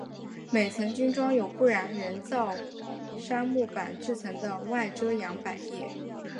每层均装有不燃人造杉木板制成的外遮阳百叶。